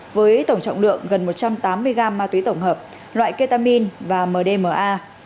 với tổng trọng lượng gần một trăm tám mươi gram ma túy tổng hợp loại ketamin và mdma